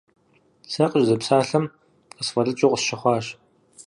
Сэ къыщызэпсалъэм къысфӀэлӀыкӀыу къысщыхъуащ.